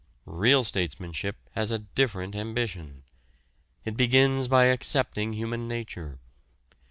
Real statesmanship has a different ambition. It begins by accepting human nature.